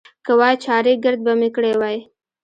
که وای، چارېګرد به مې کړی وای.